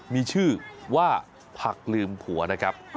มีชื่อว่าผักลืมผัวนะครับ